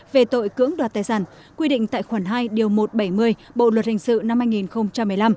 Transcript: về tội cưỡng đoạt tài sản quy định tại khoản hai điều một trăm bảy mươi bộ luật hình sự năm hai nghìn một mươi năm